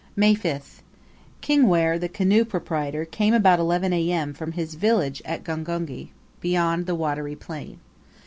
May 5th. Kingwere, the canoe proprietor, came about 11 A.M. from his village at Gongoni, beyond the watery plain.